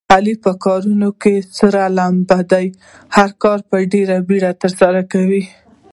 علي په کارونو کې سره لمبه دی. هر کار په ډېره بیړه ترسره کوي.